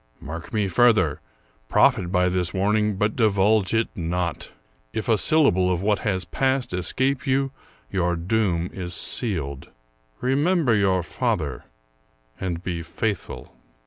Mark me further : profit by this warning, but divulge it not. If a syllable of what has passed escape you, your doom is sealed. Remember your father, and be faithful."